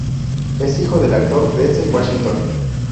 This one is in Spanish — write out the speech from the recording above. Es hijo del actor Denzel Washington.